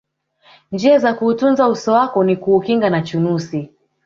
njia za kuutunza uso wako ni kuukinga na chunusi